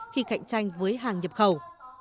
khi cạnh tranh với hàng nhập khẩu